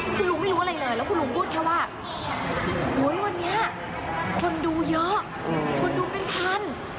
คุณลุงไม่รู้อะไรเลยแล้วคุณลุงพูดแค่ว่าวันนี้คนดูเยอะคนดูเป็นพัน